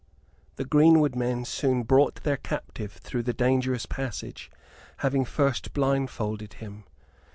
The greenwood men soon brought their captive through the dangerous passage, having first blindfolded him.